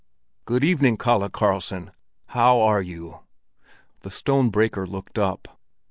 "Good evening, Kalle Karlsson! How are you?" The stone breaker looked up.